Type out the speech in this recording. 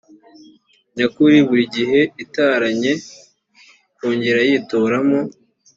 nyakuri buri igihe itaranye kongere yitoramo